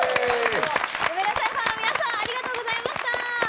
梅田サイファーの皆さんありがとうございました。